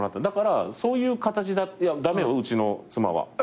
だからそういう形駄目ようちの妻は。